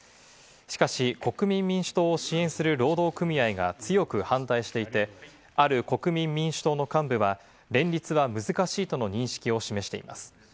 しかし、国民民主党を支援する労働組合が強く反対していて、ある国民民主党の幹部は、連立は難しいとの認識を示しています。